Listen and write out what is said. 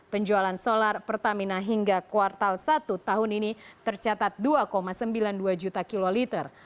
penjualan solar pertamina hingga kuartal satu tahun ini tercatat dua sembilan puluh dua juta kiloliter